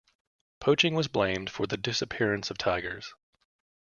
Poaching was blamed for the disappearance of tigers.